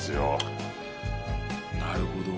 なるほど。